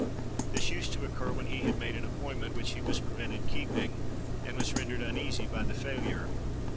This used to occur when he had made an appointment which he was prevented keeping, and was rendered uneasy by the failure.